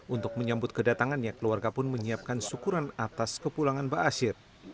untuk menyambut kedatangannya keluarga pun menyiapkan syukuran atas kepulangan basir